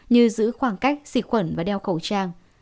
như giữ khoảng cách xịt khuẩn và đeo khẩu trang